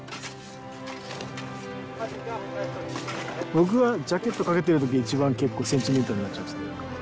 僕はジャケットかけてる時が一番結構センチメンタルになっちゃいます。